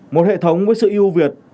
một hệ thống với sự yêu việt